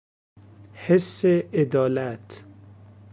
حس عدالت